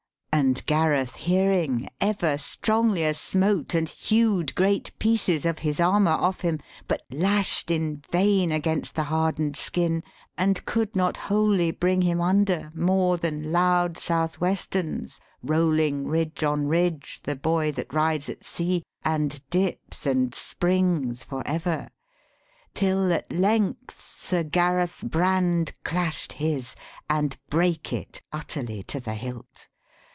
And Gareth hearing ever stronglier smote And hew'd great pieces of his armor off him, But lash'd in vain against the harden'd skin, And could not wholly bring him under, more Than loud South westerns, rolling ridge on ridge, The buoy that rides at sea, and dips and springs Forever; till at length Sir Gareth's brand Clash 'd his, and brake it utterly to the hilt.